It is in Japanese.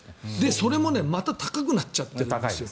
それもまた高くなっちゃってるんですよ。